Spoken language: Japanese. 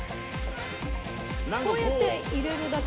こうやって入れるだけ。